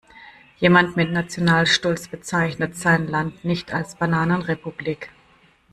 Jemand mit Nationalstolz bezeichnet sein Land nicht als Bananenrepublik.